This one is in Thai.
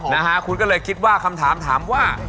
นะฮะคุณก็เลยคิดว่าคำถามถามว่า